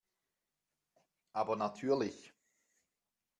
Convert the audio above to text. Aber natürlich.